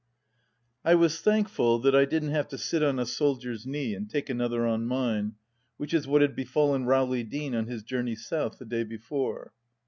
I was thankful that I didn't have to sit on a soldier's knee and take another on mine, which is what had befallen Rowley Deane on his journey South, the day before.